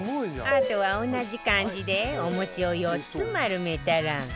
あとは同じ感じでお餅を４つ丸めたら